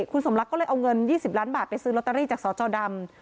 คุณสมรักก็เลยเอาเงิน๒๐ล้านบาทไปซื้อลอตเตอรี่จากสจดำ